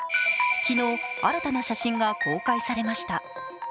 昨日、新たな写真が公開されました